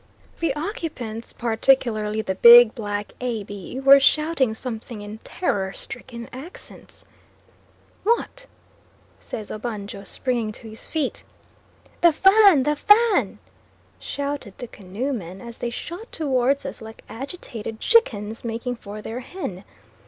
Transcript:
The occupants, particularly the big black A. B., were shouting something in terror stricken accents. "What?" says Obanjo springing to his feet. "The Fan! the Fan!" shouted the canoe men as they shot towards us like agitated chickens making for their hen.